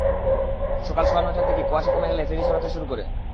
সকাল সোয়া নয়টার দিকে কুয়াশা কমে গেলে ফেরি ছাড়তে শুরু করে।